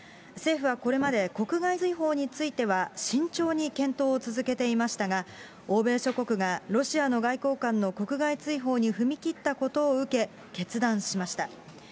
政府はこれまで、国外追放については慎重に検討を続けていましたが、欧米諸国がロシアの外交官の国外追放に踏み切ったことを受け、決断しました。